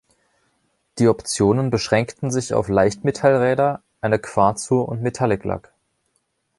Die Optionen beschränkten sich auf Leichtmetallräder, eine Quarzuhr und Metalliclack.